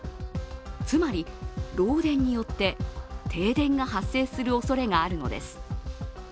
つまり、漏電によって停電が発生するおそれがあるのです。